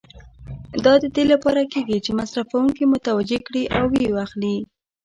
دا د دې لپاره کېږي چې مصرفوونکي متوجه کړي او و یې اخلي.